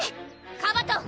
カバトン！